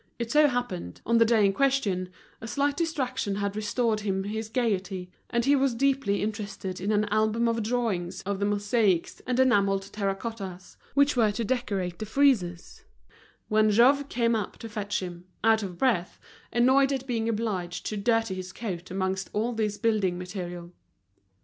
It so happened, on the day in question, a slight distraction had restored him his gaiety, and he was deeply interested in an album of drawings of the mosaics and enamelled terra cottas which were to decorate the friezes, when Jouve came up to fetch him, out of breath, annoyed at being obliged to dirty his coat amongst all this building material.